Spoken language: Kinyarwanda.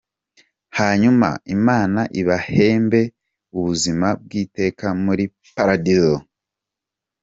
Hanyuma imana ibahembe ubuzima bw’iteka muli Paradizo.